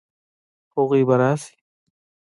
هغوی به راشي؟